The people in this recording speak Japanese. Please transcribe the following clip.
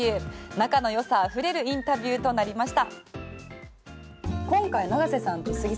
仲の良さあふれるインタビューとなりました。